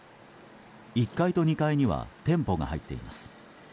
１階と２階には店舗が入っています。